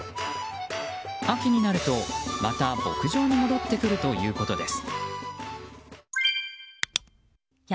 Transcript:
秋になるとまた牧場に戻ってくるということです。